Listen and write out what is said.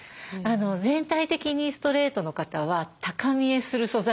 全体的にストレートの方は高見えする素材感がいいので。